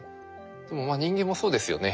でも人間もそうですよね